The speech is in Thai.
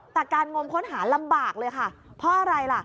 แต่การงมค้นหาลำบากเลยค่ะเพราะอะไรล่ะ